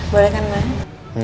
boleh kan ma